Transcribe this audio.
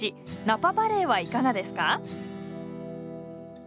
ナパバレーはいかがですか？